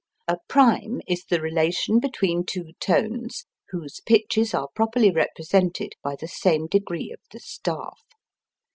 A prime is the relation between two tones whose pitches are properly represented by the same degree of the staff.